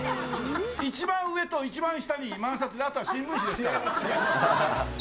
一番上と一番下に万札で、あとは新聞紙ですから。